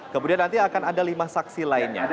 kemudian nanti akan ada lima saksi lainnya